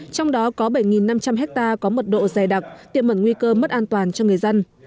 trong đó có bảy năm trăm linh hectare có mật độ dày đặc tiềm mẩn nguy cơ mất an toàn cho người dân